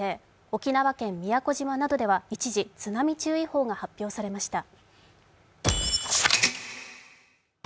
沖縄県宮古島では一時津波注意報が発表されました。